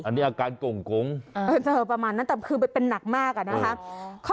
อันนี้อาการก่งประมาณนั้นแต่คือเป็นหนักมากอะนะคะ